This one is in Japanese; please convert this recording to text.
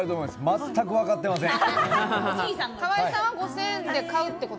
全くわかってません。